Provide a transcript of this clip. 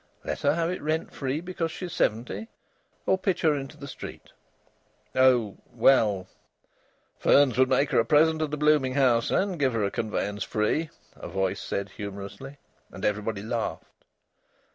Let her have it rent free because she's seventy? Or pitch her into the street?" "Oh Well " "Fearns would make her a present of the blooming house and give her a conveyance free!" a voice said humorously, and everybody laughed.